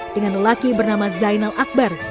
dengan lelaki bernama zainal akbar